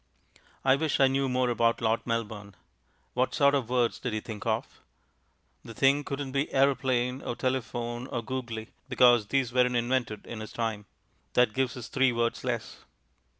I wish I knew more about Lord Melbourne. What sort of words did he think of? The thing couldn't he "aeroplane" or "telephone" or "googly," because these weren't invented in his time. That gives us three words less.